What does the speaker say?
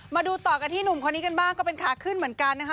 มาดูต่อกันที่หนุ่มคนนี้กันบ้างก็เป็นขาขึ้นเหมือนกันนะคะ